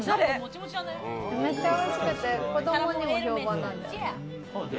めっちゃ美味しくて、子供にも評判なんだよね。